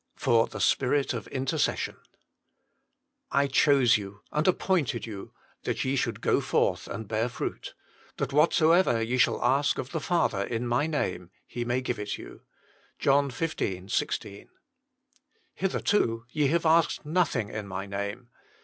JFor ilje Spirit of Initrresstfftt " I chose you, and appointed you, that ye should go and bear fruit ; that whatsoever ye shall ask of the Father in My name, He may give it you." JOHN xv. 16. " Hitherto ye have asked nothing in My name.